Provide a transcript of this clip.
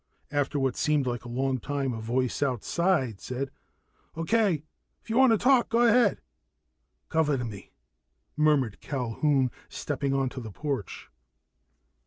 After what seemed like a long time, a voice outside said: "Okay, if yuh wanna talk, go ahead." "Cover me," murmured Culquhoun, stepping onto the porch.